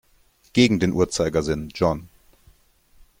Gegen den Uhrzeigersinn, John.